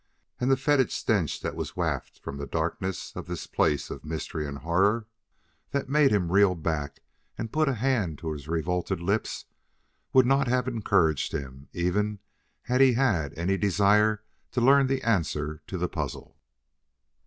And the fetid stench that was wafted from the darkness of this place of mystery and horror, that made him reel back and put a hand to his revolted lips, would not have encouraged him, even had he had any desire to learn the answer to the puzzle.